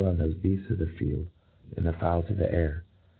on the beafts of the field and the fowls o£ the air.